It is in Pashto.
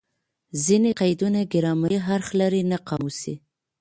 ځیني قیدونه ګرامري اړخ لري؛ نه قاموسي.